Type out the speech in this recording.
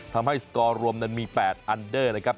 สกอร์รวมนั้นมี๘อันเดอร์นะครับ